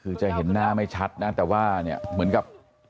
คือจะเห็นหน้าไม่ชัดนะแต่ว่าเนี่ยเหมือนกับ